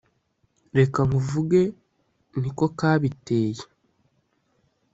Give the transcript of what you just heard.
reka nkuvuge niko kabiteye